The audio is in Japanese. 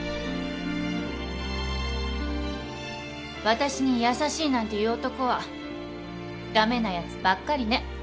私に優しいなんて言う男は駄目なやつばっかりね。